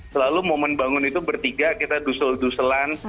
selalu momen bangun itu bertiga kita dusel duselan